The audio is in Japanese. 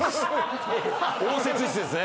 応接室ですね。